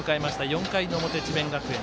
４回の表、智弁学園。